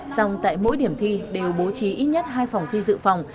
dòng tại mỗi điểm thi đều bố trí ít nhất hai phòng thi dự phòng